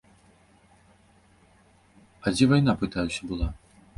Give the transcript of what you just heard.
А дзе вайна, пытаюся, была?